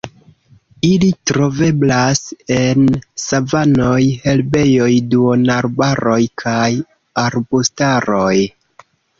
Ili troveblas en savanoj, herbejoj, duonarbaroj kaj arbustaroj.